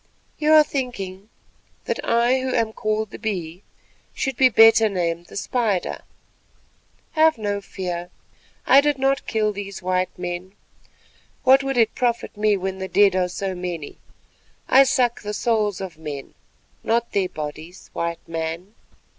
You are thinking that I who am called the Bee should be better named the Spider. Have no fear; I did not kill these men. What would it profit me when the dead are so many? I suck the souls of men, not their bodies, White Man.